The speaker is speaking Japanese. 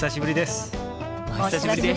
お久しぶりです。